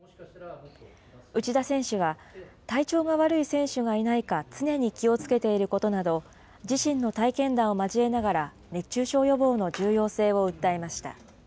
選手がいないか常に気をつけていることなど、自身の体験談を交えながら熱中症予防の重要性を訴えました。